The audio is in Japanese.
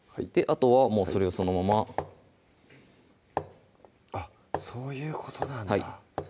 あとはもうそれをそのままあっそういうことなんだはい